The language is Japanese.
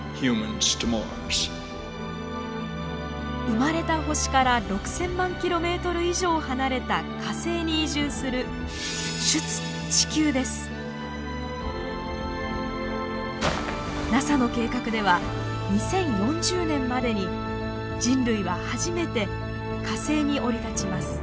生まれた星から６，０００万キロメートル以上離れた火星に移住するＮＡＳＡの計画では２０４０年までに人類は初めて火星に降り立ちます。